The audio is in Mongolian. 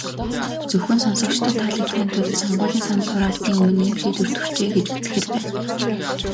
Зөвхөн сонгогчдод таалагдахын тулд, сонгуулийн санал хураалтын өмнө ийм шийдвэрт хүрчээ гэж үзэхээр байна.